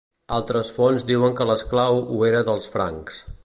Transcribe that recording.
Altres fonts diuen que l'esclau ho era dels francs.